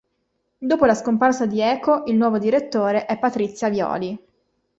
Dopo la scomparsa di Eco, il nuovo direttore è Patrizia Violi.